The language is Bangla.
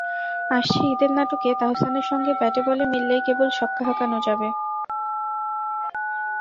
আসছে ঈদের নাটকে তাহসানের সঙ্গে ব্যাটে-বলে মিললেই কেবল ছক্কা হাঁকানো যাবে।